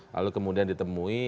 lalu kemudian ditemui